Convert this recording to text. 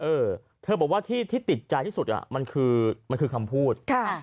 เออเธอบอกว่าที่ติดใจที่สุดมันคือมันคือคำพูด